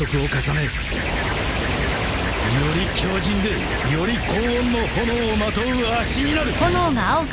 より強靱でより高温の炎をまとう脚になる！